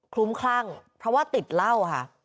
ลุ้มคลั่งเพราะว่าติดเหล้าค่ะ